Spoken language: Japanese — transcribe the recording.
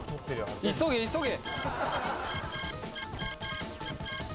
急げ急げ！